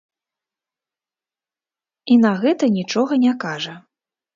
І на гэта нічога не кажа.